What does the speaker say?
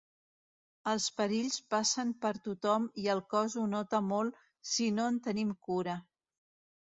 Els perills passen per tothom i el cos ho nota molt si no en tenim cura.